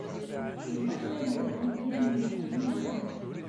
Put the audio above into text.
Yeṭṭef tarewla yiwen umehbul ineqq.